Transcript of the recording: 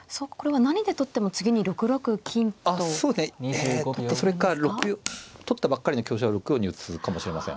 えっとそれか取ったばっかりの香車を６四に打つかもしれません。